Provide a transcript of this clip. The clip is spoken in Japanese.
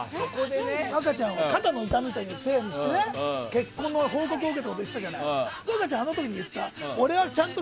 若ちゃんは肩の痛みという話をして結婚の報告を受けたことを言ってたじゃない。